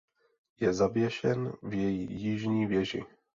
Je zavěšen v její jižní věži.